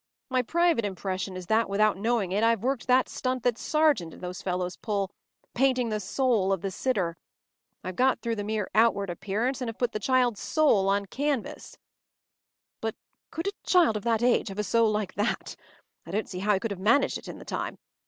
My private impression is that, without knowing it, I’ve worked that stunt that Sargent and those fellows pull—painting the soul of the sitter. I’ve got through the mere outward appearance, and have put the child’s soul on canvas.” “But could a child of that age have a soul like that? I don’t see how he could have managed it in the time.